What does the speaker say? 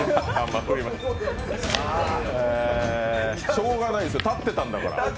しようがないですよ、立ってたんですから。